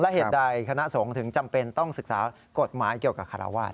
และเหตุใดคณะสงฆ์ถึงจำเป็นต้องศึกษากฎหมายเกี่ยวกับคาราวาส